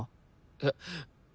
えっ？